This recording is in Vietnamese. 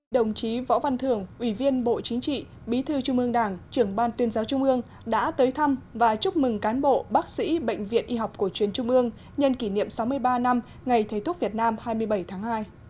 đồng chí võ văn thưởng ủy viên bộ chính trị bí thư trung ương đảng trưởng ban tuyên giáo trung ương đã tới thăm và chúc mừng cán bộ bác sĩ bệnh viện y học cổ truyền trung ương nhân kỷ niệm sáu mươi ba năm ngày thầy thuốc việt nam hai mươi bảy tháng hai